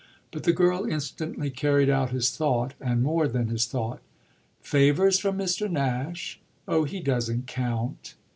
But the girl instantly carried out his thought and more than his thought. "Favours from Mr. Nash? Oh he doesn't count!"